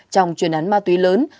trong chuyên án ma túy lớn